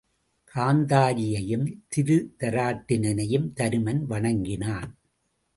காந்தாரியையும் திருதராட்டிரனையும் தருமன் வணங்கினான்.